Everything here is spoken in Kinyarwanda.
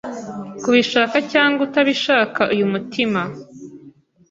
Kubishaka cyangwa utabishaka uyu mutima